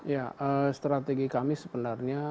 ya strategi kami sebenarnya